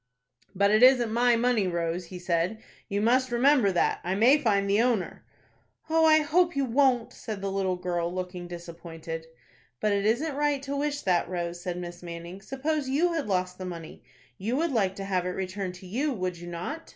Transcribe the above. "But it isn't my money, Rose," he said. "You must remember that. I may find the owner." "Oh, I hope you won't," said the little girl, looking disappointed. "But it isn't right to wish that, Rose," said Miss Manning. "Suppose you had lost the money, you would like to have it returned to you, would you not?"